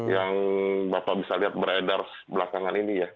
yang bapak bisa lihat beredar belakangan ini ya